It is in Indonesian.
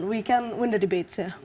dan kita bisa menang di debatenya